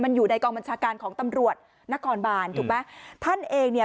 มันอยู่ในกองบัญชาการของตำรวจนครบานถูกไหมท่านเองเนี่ย